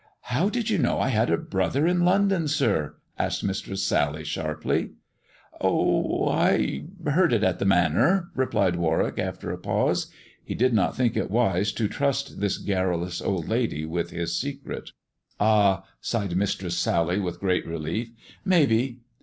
" How did you know I had a brother in London, sir ?" asked Mistress Sally sharply. 94 THE dwarf's chamber " Oh, I heard it at the Manor," replied Warwick after a pause. He did not think it wise to trust this garrulous old lady with his secret. " Ah !" sighed Mistress Sally, with great relief. " Maybe.